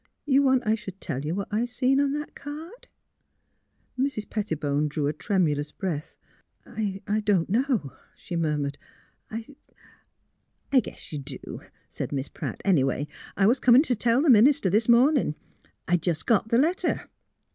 You want I should tell you what I see on that card? " Mrs. Pettibone drew a tremulous breath. *' I don 't — know, '' she murmured. '' I '''' I guess you do, '' said Miss Pratt. '' Anyway, I was comin' t' tell th' minister this mornin' — I jus' got th' letter."